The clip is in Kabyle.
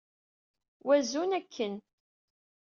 Wazun akken!